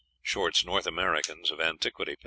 |+++ (Short's "North Americans of Antiquity," p.